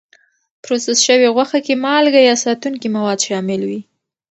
پروسس شوې غوښې کې مالکه یا ساتونکي مواد شامل وي.